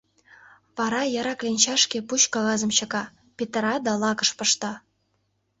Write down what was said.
Вара яра кленчашке пуч-кагазым чыка, петыра да лакыш пышта.